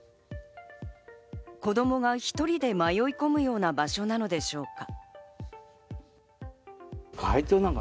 子供が１人で迷い込むような場所なのでしょうか？